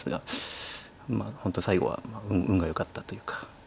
まあ本当最後は運がよかったというか。